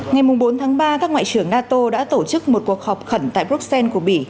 ngày bốn tháng ba các ngoại trưởng nato đã tổ chức một cuộc họp khẩn tại bruxelles của bỉ